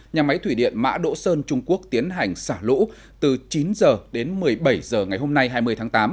nhà máy thủy điện mã đỗ sơn trung quốc tiến hành xả lũ từ chín h đến một mươi bảy h ngày hôm nay hai mươi tháng tám